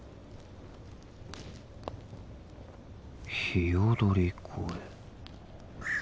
鵯越。